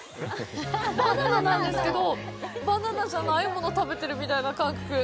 バナナなんですけどバナナじゃないものを食べてるみたいな感覚。